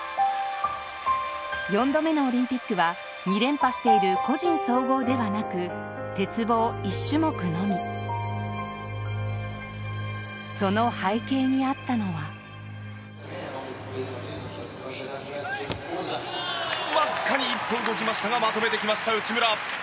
４度目のオリンピックは２連覇している個人総合ではなくあえて鉄棒１種目のみ背景にあったのは実況：わずかに一歩動きましたがまとめてきました、内村。